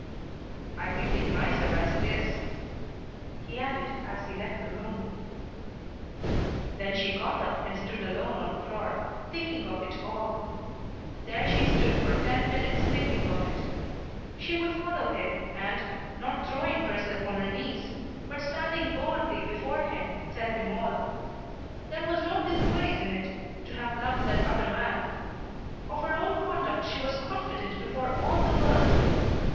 "I think it nicer as it is," he added as he left the room. Then she got up and stood alone on the floor, thinking of it all. There she stood for ten minutes thinking of it. She would follow him and, not throwing herself on her knees but standing boldly before him, tell him all. There was no disgrace in it, to have loved that other man. Of her own conduct she was confident before all the world.